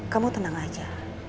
kamu tenang aja